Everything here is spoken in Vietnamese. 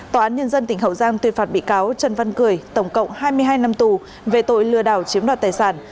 tòa án nhân dân tỉnh hậu giang tuyên phạt bị cáo trần văn cười tổng cộng hai mươi hai năm tù về tội lừa đảo chiếm đoạt tài sản